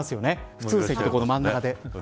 普通席の真ん中で。